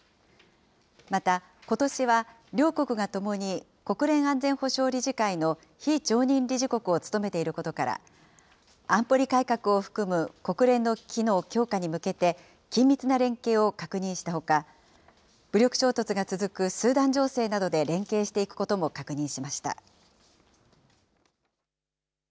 また、ことしは両国がともに国連安全保障理事会の非常任理事国を務めていることから、安保理改革を含む国連の機能強化に向けて緊密な連携を確認したほか、武力衝突が続くスーダン情勢などで連携していくことも確認しました。